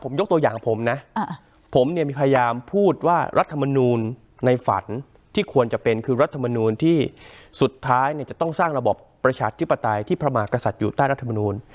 ผมยกตัวอย่างผมนะผมเนี่ยมีพยายามพูดว่ารัฐมนูลในฝันที่ควรจะเป็นคือรัฐมนูลที่สุดท้ายเนี่ยจะต้องสร้างระบบประชาธิปไตยที่พระมากษัตริย์อยู่ใต้รัฐมนูล